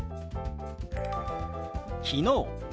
「昨日」。